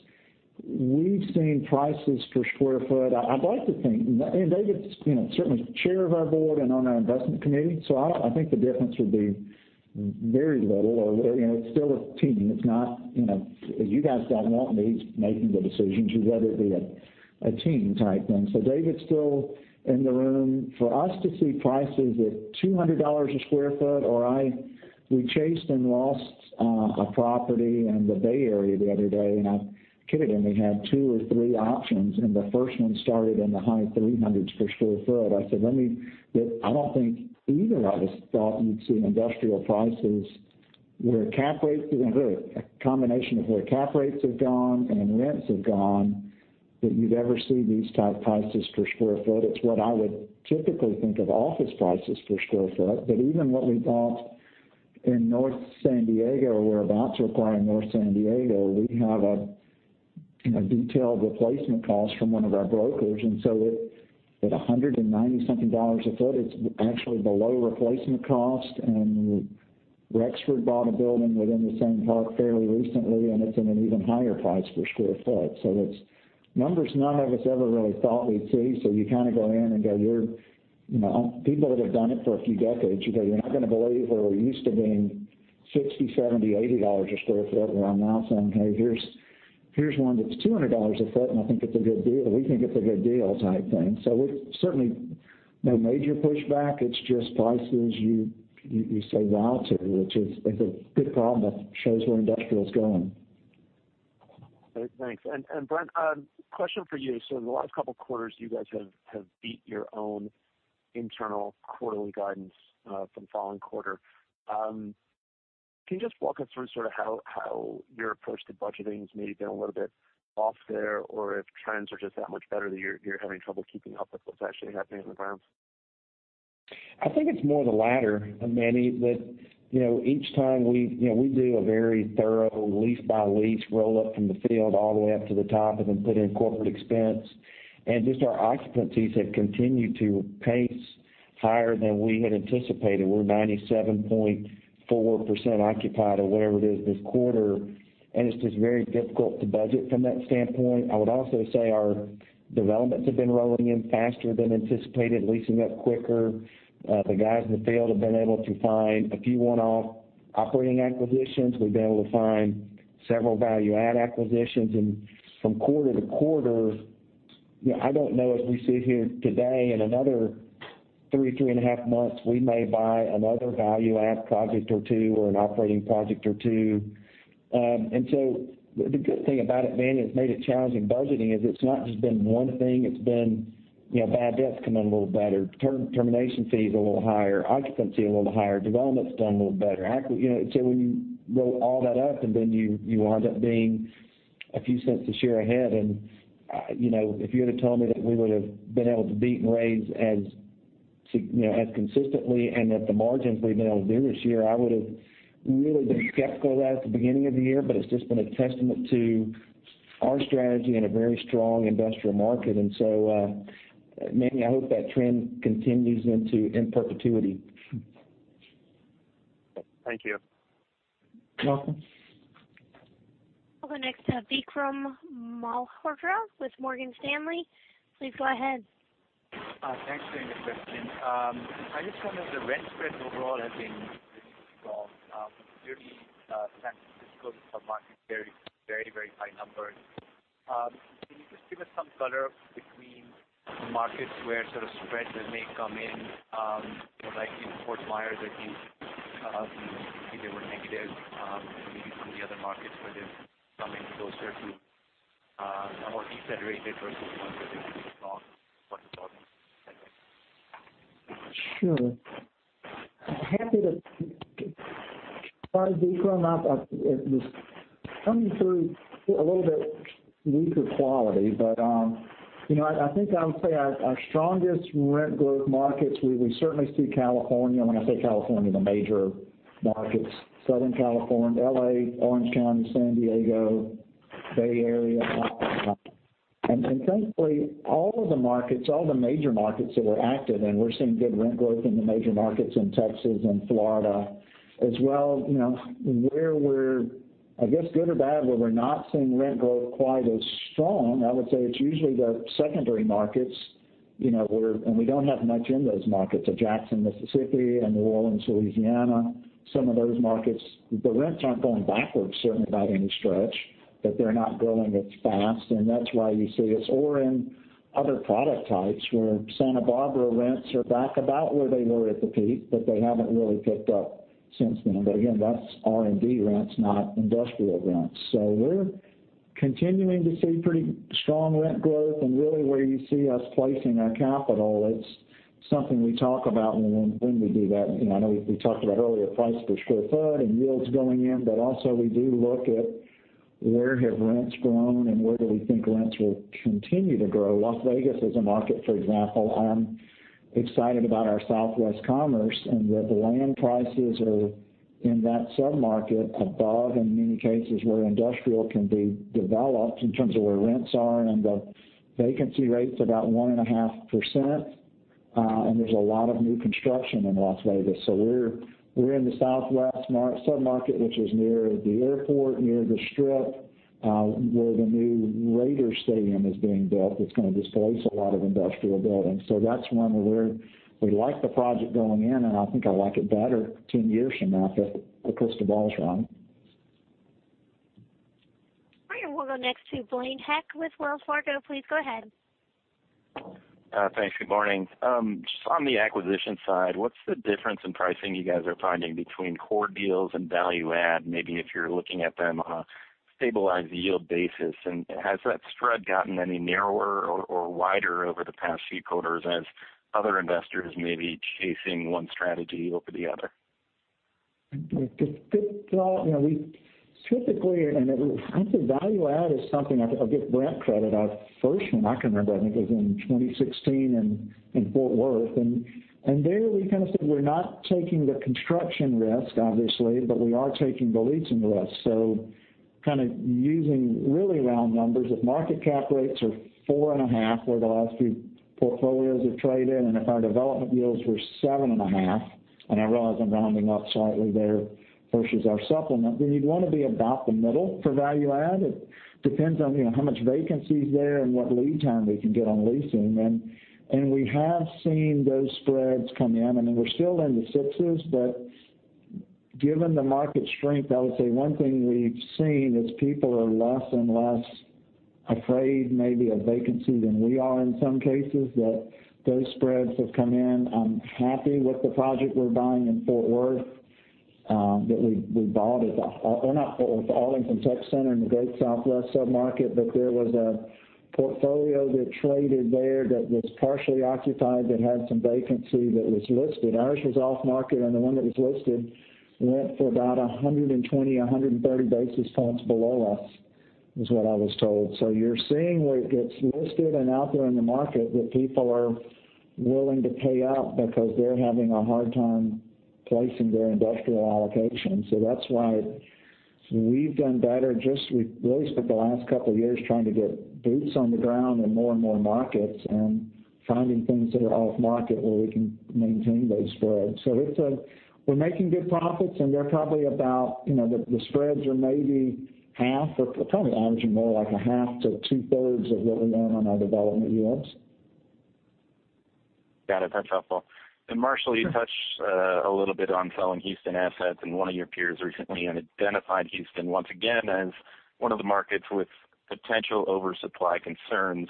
we've seen prices per square foot. I'd like to think. David's certainly Chair of our board and on our investment committee, so I think the difference would be very little, or it's still a team. It's not. You guys don't want me making the decisions. You'd rather it be a team type thing. David's still in the room. For us to see prices at $200 a square foot, or we chased and lost a property in the Bay Area the other day. I'm kidding, we had two or three options. The first one started in the high 300s for square foot. I don't think either of us thought you'd see industrial prices where cap rates, really a combination of where cap rates have gone and rents have gone, that you'd ever see these type prices per square foot. It's what I would typically think of office prices per square foot. Even what we bought in North San Diego, or we're about to acquire in North San Diego, we have a detailed replacement cost from one of our brokers. At $190 something a foot, it's actually below replacement cost. Rexford bought a building within the same park fairly recently, and it's in an even higher price per square foot. It's numbers none of us ever really thought we'd see. You kind of go in and go, people that have done it for a few decades, you go, "You're not going to believe where we used to being 60, 70, $80 a sq ft." Where I'm now saying, "Hey, here's one that's $200 a foot, and I think it's a good deal." We think it's a good deal type thing. We're certainly no major pushback. It's just prices you say wow to, which is a good problem that shows where industrial is going. Great. Thanks. Brent, question for you. In the last couple of quarters, you guys have beat your own internal quarterly guidance from following quarter. Can you just walk us through sort of how your approach to budgeting has maybe been a little bit off there, or if trends are just that much better that you're having trouble keeping up with what's actually happening on the ground? I think it's more the latter, Manny. Each time we do a very thorough lease by lease roll-up from the field all the way up to the top, and then put in corporate expense. Just our occupancies have continued to pace higher than we had anticipated. We're 97.4% occupied or whatever it is this quarter, and it's just very difficult to budget from that standpoint. I would also say our developments have been rolling in faster than anticipated, leasing up quicker. The guys in the field have been able to find a few one-off operating acquisitions. Several value-add acquisitions. From quarter to quarter, I don't know, as we sit here today, in another three and a half months, we may buy another value-add project or two, or an operating project or two. The good thing about it, Manny, that's made it challenging budgeting, is it's not just been one thing, it's been bad debts coming in a little better, termination fees a little higher, occupancy a little higher, development's done a little better. When you roll all that up, and then you wind up being a few cents a share ahead. If you would've told me that we would've been able to beat and raise as consistently and at the margins we've been able to do this year, I would've really been skeptical of that at the beginning of the year, but it's just been a testament to our strategy in a very strong industrial market. Manny, I hope that trend continues in perpetuity. Thank you. Welcome. We'll go next to Vikram Malhotra with Morgan Stanley. Please go ahead. Thanks for taking the question. I just found that the rent spread overall has been really strong. Clearly, San Francisco submarket, very, very high numbers. Can you just give us some color between markets where sort of spreads that may come in, like in Fort Myers, I think they were negative, maybe some of the other markets where they've come into those sorts of more decelerated versus ones that have been strong for development? Thanks. Sure. Happy to. Sorry, Vikram. It was coming through a little bit weaker quality. I think I would say our strongest rent growth markets, we certainly see California. When I say California, the major markets, Southern California, L.A., Orange County, San Diego, Bay Area. Thankfully, all of the markets, all the major markets that were active, and we're seeing good rent growth in the major markets in Texas and Florida as well. Where we're, I guess good or bad, where we're not seeing rent growth quite as strong, I would say it's usually the secondary markets, and we don't have much in those markets. A Jackson, Mississippi, a New Orleans, Louisiana, some of those markets. The rents aren't going backwards, certainly by any stretch, but they're not growing as fast, and that's why you see us in other product types, where Santa Barbara rents are back about where they were at the peak, but they haven't really picked up since then. Again, that's R&D rents, not industrial rents. We're continuing to see pretty strong rent growth, and really where you see us placing our capital, it's something we talk about when we do that. I know we talked about earlier price per square foot and yields going in, but also we do look at where have rents grown and where do we think rents will continue to grow. Las Vegas is a market, for example. I'm excited about our Southwest Commerce, the land prices are in that submarket above in many cases where industrial can be developed in terms of where rents are, the vacancy rate's about 1.5%, there's a lot of new construction in Las Vegas. We're in the southwest submarket, which is near the airport, near the Strip, where the new Raiders stadium is being built. It's going to displace a lot of industrial buildings. That's one where we liked the project going in, I think I'll like it better 10 years from now if the crystal ball's right. Great. We'll go next to Blaine Heck with Wells Fargo. Please go ahead. Thanks. Good morning. Just on the acquisition side, what's the difference in pricing you guys are finding between core deals and value add, maybe if you're looking at them on a stabilized yield basis? Has that spread gotten any narrower or wider over the past few quarters as other investors may be chasing one strategy over the other? Good thought. We typically, I'd say value add is something I'll give Brent credit, our first one I can remember, I think, was in 2016 in Fort Worth. There we kind of said we're not taking the construction risk, obviously, but we are taking the leasing risk. Kind of using really round numbers, if market cap rates are four and a half where the last few portfolios have traded, if our development yields were seven and a half, I realize I'm rounding up slightly there versus our supplement, you'd want to be about the middle for value add. We have seen those spreads come in, we're still in the sixes. Given the market strength, I would say one thing we've seen is people are less and less afraid maybe of vacancy than we are in some cases, that those spreads have come in. I'm happy with the project we're buying in Fort Worth, that we bought, the Arlington Tech Center in the Great Southwest submarket. There was a portfolio that traded there that was partially occupied, that had some vacancy, that was listed. Ours was off market, and the one that was listed went for about 120, 130 basis points below us, is what I was told. You're seeing where it gets listed and out there in the market, that people are willing to pay up because they're having a hard time placing their industrial allocation. That's why we've done better. We've really spent the last couple of years trying to get boots on the ground in more and more markets and finding things that are off market where we can maintain those spreads. We're making good profits, the spreads are maybe half or probably averaging more like a half to two-thirds of what we earn on our development yields. Got it. That's helpful. Marshall, you touched a little bit on selling Houston assets, and one of your peers recently identified Houston once again as one of the markets with potential oversupply concerns.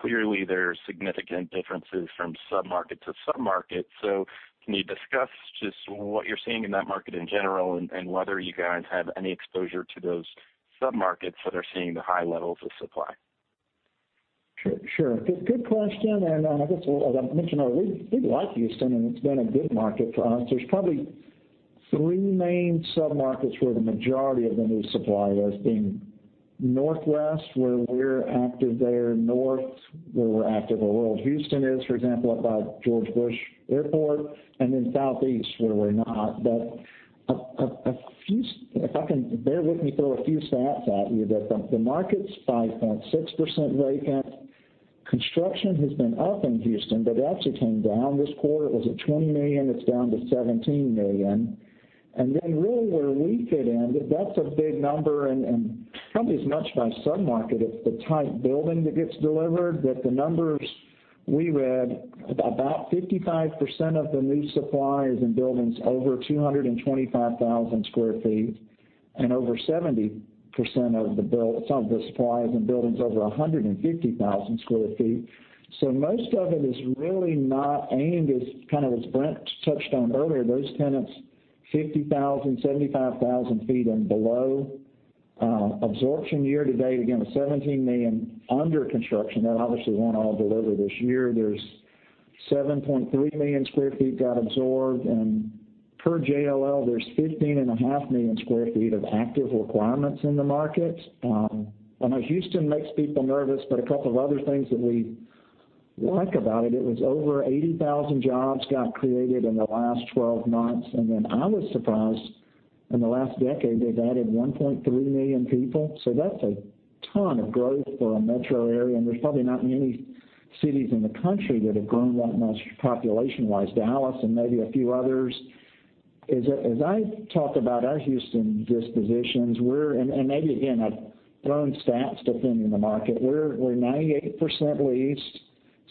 Clearly, there are significant differences from sub-market to sub-market. Can you discuss just what you're seeing in that market in general, and whether you guys have any exposure to those sub-markets that are seeing the high levels of supply? Sure. Good question, and I guess as I mentioned earlier, we like Houston, and it's been a good market for us. There's probably three main sub-markets where the majority of the new supply has been. Northwest, where we're active there. North, where we're active, where World Houston is, for example, up by George Bush Airport, and then Southeast, where we're not. If I can, bear with me, throw a few stats at you, but the market's 5.6% vacant. Construction has been up in Houston, but it actually came down this quarter. It was at 20 million, it's down to 17 million. Really where we fit in, that's a big number and probably as much by submarket, it's the type building that gets delivered, but the numbers we read, about 55% of the new supply is in buildings over 225,000 sq ft, and over 70% of the supply is in buildings over 150,000 sq ft. Most of it is really not aimed, as Brent touched on earlier, those tenants, 50,000, 75,000 feet and below. Absorption year-to-date, again, with 17 million under construction, that obviously won't all deliver this year. There's 7.3 million sq ft got absorbed, and per JLL, there's 15.5 million sq ft of active requirements in the market. I know Houston makes people nervous, but a couple of other things that we like about it was over 80,000 jobs got created in the last 12 months, and then I was surprised, in the last decade, they've added 1.3 million people. That's a ton of growth for a metro area, and there's probably not many cities in the country that have grown that much population-wise. Dallas, maybe a few others. As I talk about our Houston dispositions, and maybe again, I've thrown stats to pin you the market. We're 98% leased,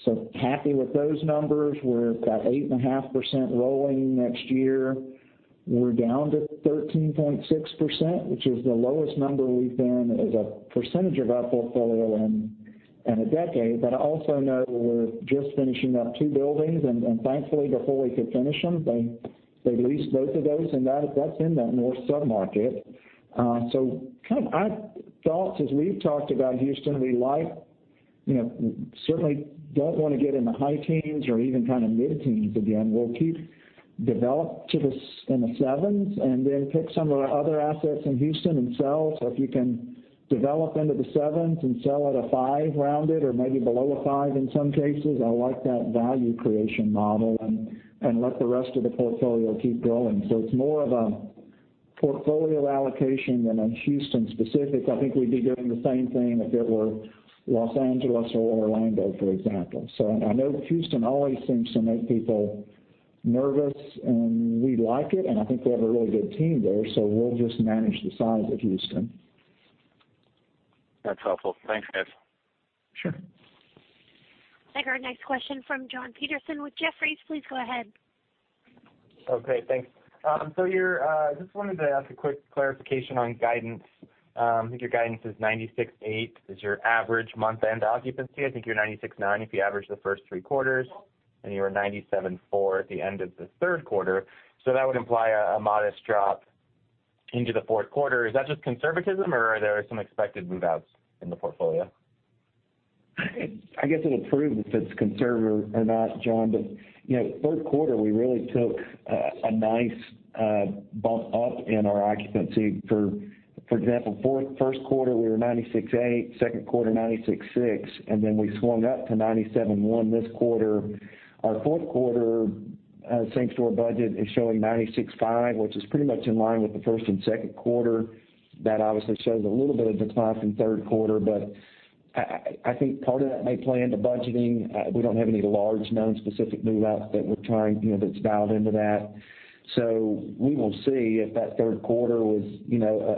so happy with those numbers. We've got 8.5% rolling next year. We're down to 13.6%, which is the lowest number we've been as a percentage of our portfolio in a decade. I also know we're just finishing up two buildings, and thankfully, before we could finish them, they leased both of those, and that's in that north sub-market. Our thoughts as we've talked about Houston, we certainly don't want to get in the high teens or even mid-teens again. We'll keep develop in the 7s, and then pick some of the other assets in Houston and sell. If you can develop into the 7s and sell at a 5 rounded or maybe below a 5 in some cases, I like that value creation model, and let the rest of the portfolio keep growing. It's more of a portfolio allocation than a Houston specific. I think we'd be doing the same thing if it were Los Angeles or Orlando, for example. I know Houston always seems to make people nervous, and we like it, and I think we have a really good team there, so we'll just manage the size of Houston. That's helpful. Thanks, guys. Sure. Thank you. Our next question from Jonathan Petersen with Jefferies. Please go ahead. Okay, thanks. I just wanted to ask a quick clarification on guidance. I think your guidance is 96.8 as your average month-end occupancy. I think you're 96.9 if you average the first three quarters, and you were 97.4 at the end of the third quarter. That would imply a modest drop into the fourth quarter. Is that just conservatism or are there some expected move-outs in the portfolio? I guess it'll prove if it's conservative or not, Jonathan, third quarter, we really took a nice bump up in our occupancy. For example, first quarter, we were 96.8, second quarter, 96.6, we swung up to 97.1 this quarter. Our fourth quarter same-store budget is showing 96.5, which is pretty much in line with the first and second quarter. That obviously shows a little bit of decline from third quarter, I think part of that may play into budgeting. We don't have any large known specific move-outs that's dialed into that. We will see if that third quarter was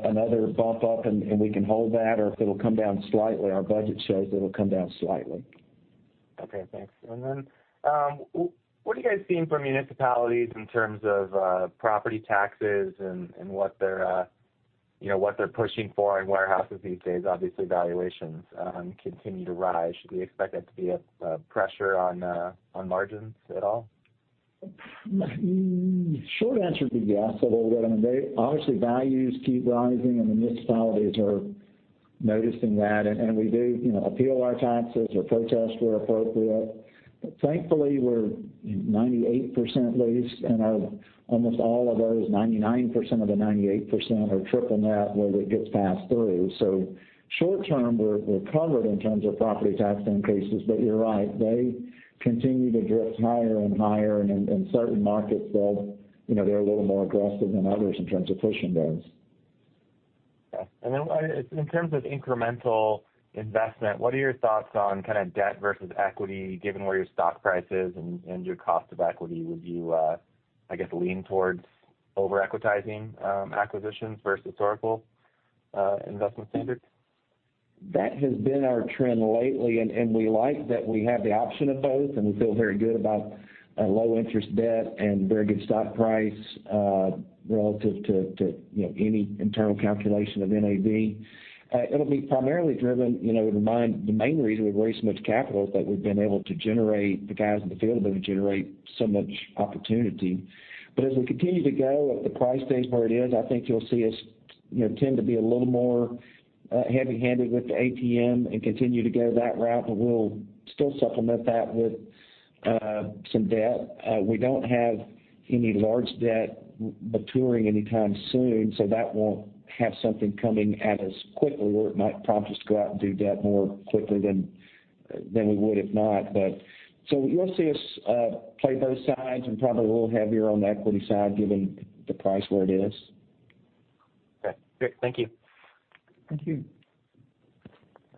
another bump up and we can hold that, or if it'll come down slightly. Our budget shows it'll come down slightly. Okay, thanks. What are you guys seeing from municipalities in terms of property taxes and what they're pushing for in warehouses these days? Obviously, valuations continue to rise. Should we expect that to be a pressure on margins at all? The short answer would be yes, a little bit. Obviously, values keep rising, and the municipalities are noticing that, and we do appeal our taxes or protest where appropriate. Thankfully, we're 98% leased, and almost all of those, 99% of the 98% are triple net where it gets passed through. Short-term, we're covered in terms of property tax increases. You're right, they continue to drift higher and higher in certain markets that they're a little more aggressive than others in terms of pushing those. Okay. In terms of incremental investment, what are your thoughts on kind of debt versus equity, given where your stock price is and your cost of equity? Would you, I guess, lean towards over-equitizing acquisitions versus historical investment standards? That has been our trend lately. We like that we have the option of both, and we feel very good about low-interest debt and very good stock price relative to any internal calculation of NAV. The main reason we've raised so much capital is that the guys in the field have been able to generate so much opportunity. As we continue to go, if the price stays where it is, I think you'll see us tend to be a little more heavy-handed with the ATM and continue to go that route. We'll still supplement that with some debt. We don't have any large debt maturing anytime soon. That won't have something coming at us quickly where it might prompt us to go out and do debt more quickly than we would if not. You'll see us play both sides and probably a little heavier on the equity side, given the price where it is. Okay, great. Thank you. Thank you.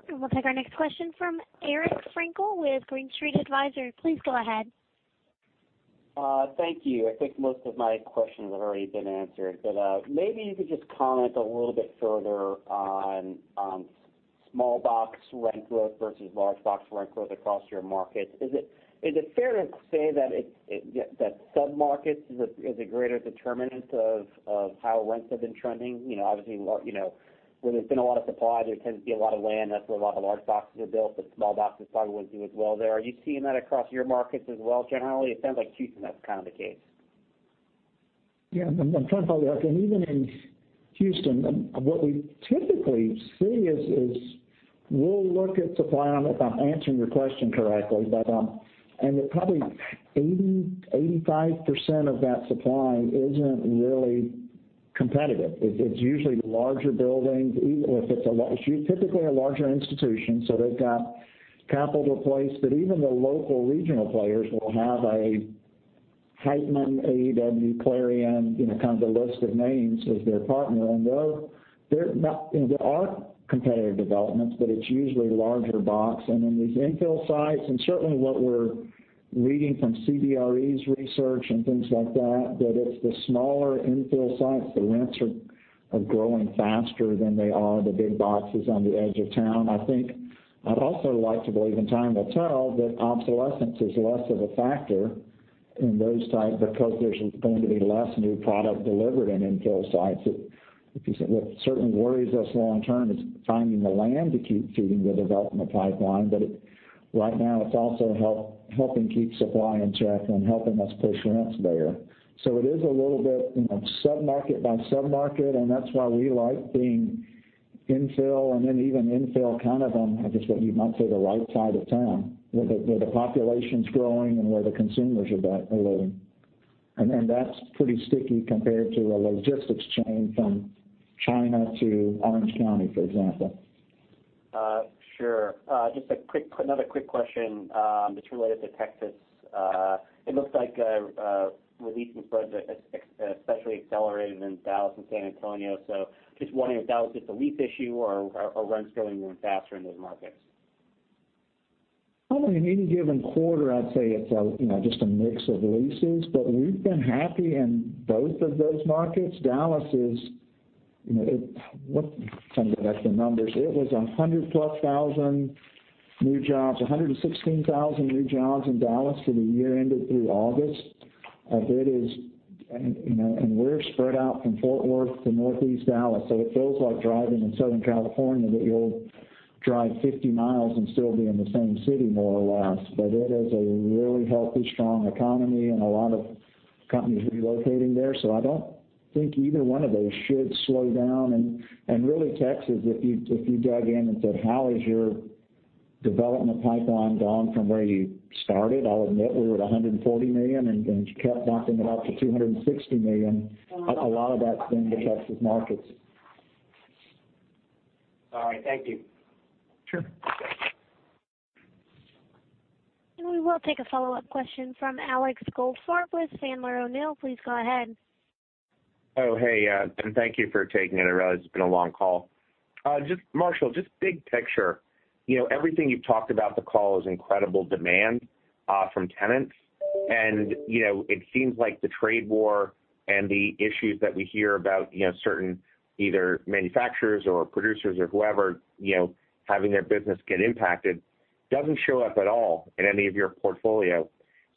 We'll take our next question from Eric Frankel with Green Street Advisors. Please go ahead. Thank you. I think most of my questions have already been answered, but maybe you could just comment a little bit further on small box rent growth versus large box rent growth across your markets. Is it fair to say that sub-markets is a greater determinant of how rents have been trending? Obviously, where there's been a lot of supply, there tends to be a lot of land. That's where a lot of large boxes are built, but small boxes probably wouldn't do as well there. Are you seeing that across your markets as well, generally? It sounds like Houston, that's kind of the case. Yeah, even in Houston, what we typically see is, we'll look at supply, if I'm answering your question correctly, that probably 80%-85% of that supply isn't really competitive. It's usually larger buildings, it's typically a larger institution, so they've got capital to place. Even the local regional players will have a Heitman, AEW, Clarion, kind of a list of names as their partner. There are competitive developments, but it's usually larger box. In these infill sites, and certainly what we're reading from CBRE's research and things like that it's the smaller infill sites, the rents are growing faster than they are the big boxes on the edge of town. I think I'd also like to believe, and time will tell, that obsolescence is less of a factor in those types because there's going to be less new product delivered in infill sites. What certainly worries us long term is finding the land to keep feeding the development pipeline. Right now, it's also helping keep supply in check and helping us push rents there. It is a little bit sub-market by sub-market, and that's why we like being infill, and then even infill kind of on, I guess what you might say, the right side of town, where the population's growing and where the consumers are loading. That's pretty sticky compared to a logistics chain from China to Orange County, for example. Sure. Just another quick question. It's related to Texas. It looks like leasing spreads especially accelerated in Dallas and San Antonio. Just wondering if that was just a lease issue or are rents growing faster in those markets? In any given quarter, I'd say it's just a mix of leases. We've been happy in both of those markets. Dallas is. Let me get the numbers. It was 112,000 new jobs, 116,000 new jobs in Dallas for the year ended through August. We're spread out from Fort Worth to Northeast Dallas, so it feels like driving in Southern California, that you'll drive 50 miles and still be in the same city, more or less. It is a really healthy, strong economy and a lot of companies relocating there. I don't think either one of those should slow down. Really, Texas, if you dug in and said, "How has your development pipeline gone from where you started?" I'll admit we were at $140 million, and just kept bumping it up to $260 million. A lot of that's been the Texas markets. All right. Thank you. Sure. We will take a follow-up question from Alex Goldfarb with Sandler O'Neill. Please go ahead. Oh, hey, thank you for taking it. I realize it's been a long call. Marshall, just big picture, everything you've talked about the call is incredible demand from tenants. It seems like the trade war and the issues that we hear about, certain either manufacturers or producers or whoever, having their business get impacted, doesn't show up at all in any of your portfolio.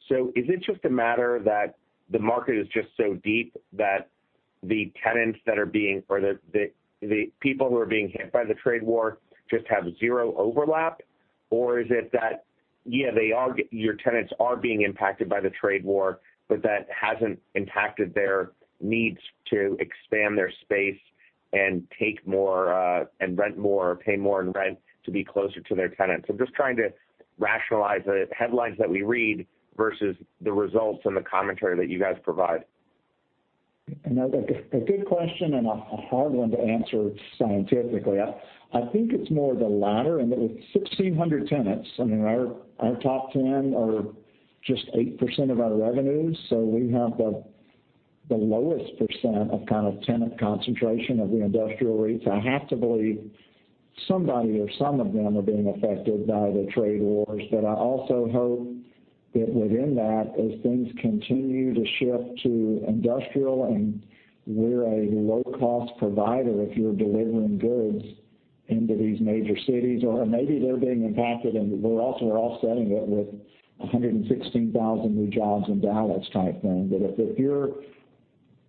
Is it just a matter that the market is just so deep that the tenants that are being, or the people who are being hit by the trade war just have zero overlap? Is it that, yeah, your tenants are being impacted by the trade war, but that hasn't impacted their needs to expand their space and rent more or pay more in rent to be closer to their tenants? I'm just trying to rationalize the headlines that we read versus the results and the commentary that you guys provide. A good question and a hard one to answer scientifically. I think it's more of the latter. With 1,600 tenants, I mean, our top 10 are just 8% of our revenues. We have the lowest percent of kind of tenant concentration of the industrial REITs. I have to believe somebody or some of them are being affected by the trade wars. I also hope that within that, as things continue to shift to industrial, and we're a low-cost provider, if you're delivering goods into these major cities. Maybe they're being impacted, and we're offsetting it with 116,000 new jobs in Dallas type thing.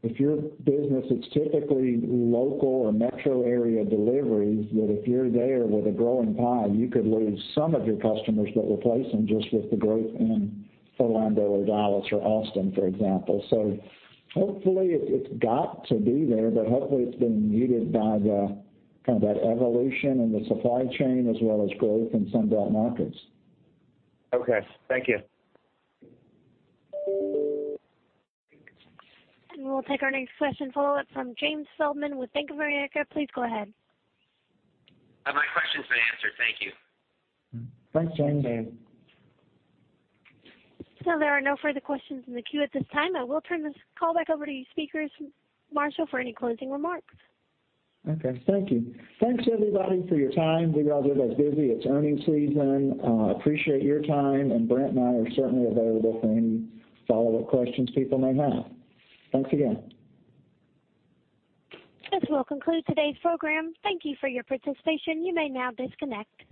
If your business is typically local or metro area deliveries, that if you're there with a growing pie, you could lose some of your customers, but replace them just with the growth in Orlando or Dallas or Austin, for example. Hopefully, it's got to be there, but hopefully, it's being muted by kind of that evolution in the supply chain as well as growth in some of that markets. Okay. Thank you. We'll take our next question follow-up from James Feldman with Bank of America. Please go ahead. My question's been answered. Thank you. There are no further questions in the queue at this time. I will turn this call back over to you, speakers, Marshall, for any closing remarks. Okay. Thank you. Thanks everybody for your time. We all get as busy. It's earning season. Appreciate your time, and Brent and I are certainly available for any follow-up questions people may have. Thanks again. This will conclude today's program. Thank you for your participation. You may now disconnect.